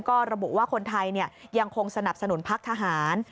ก็ระบุว่าคนไทยยังคงสนับสนุนพักทหาร